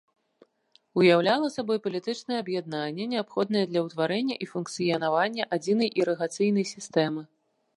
Уяўляла сабой палітычнае аб'яднанне, неабходнае для ўтварэння і функцыянавання адзінай ірыгацыйнай сістэмы.